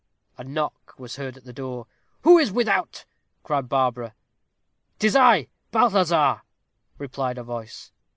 A knock was heard at the door. "Who is without?" cried Barbara. "'Tis I, Balthazar," replied a voice.